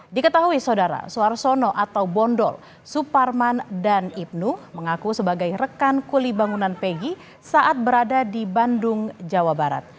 diketahui saudara suarsono atau bondol suparman dan ibnu mengaku sebagai rekan kuli bangunan pegi saat berada di bandung jawa barat